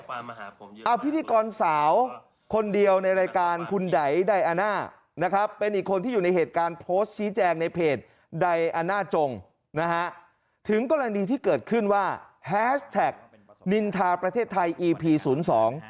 อาวุธพิธีกรสาวคนเดียวในรายการคุณไดยไดอานะนะครับเป็นอีกคนที่อยู่ในเหตุการณ์โพสต์ชี้แจงในเพจไดอาหน่าจง